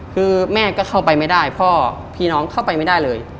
คือแม่ก็เข้าไปไม่ได้พ่อพี่น้องเข้าไปไม่ได้เลย